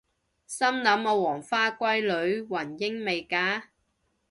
心諗我黃花閨女雲英未嫁！？